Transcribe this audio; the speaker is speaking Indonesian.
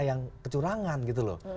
yang kecurangan gitu loh